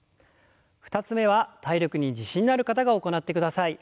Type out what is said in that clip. ２つ目は体力に自信がある方が行ってください。